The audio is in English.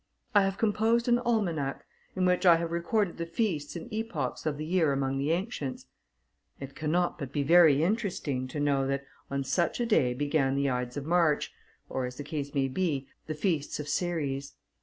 I have composed an almanac, in which I have recorded the feasts and epochs of the year among the ancients. It cannot but be very interesting to know, that on such a day began the Ides of March, or, as the case may be, the Feasts of Ceres.